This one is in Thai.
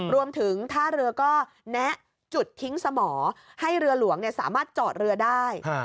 รวมถึงท่าเรือก็แนะจุดทิ้งสมอให้เรือหลวงสามารถจอดเรือได้